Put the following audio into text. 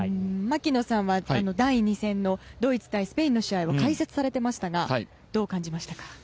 槙野さんは第２戦のドイツ対スペインの試合を解説されていましたがどう感じましたか？